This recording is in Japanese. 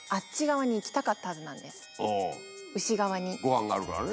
ご飯があるからね。